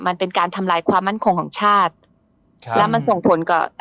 มันเป็นการทำลายความมั่นคงของชาติครับแล้วมันส่งผลกับ